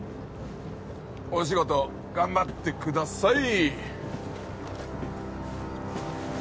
お仕事頑張ってください